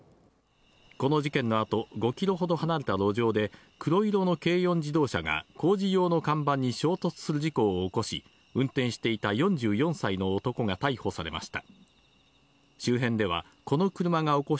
この事件のあと、５キロほど離れた路上で黒色の軽四自動車が工事用の看板に衝突する事故を起こし、運転していた４４歳の男が逮捕されました。